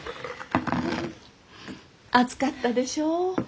暑かったでしょう？